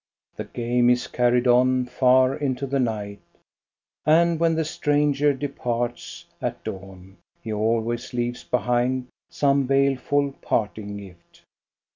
The game is carried on far into the night ; and when the stranger departs at dawn he always leaves behind some baleful parting gift.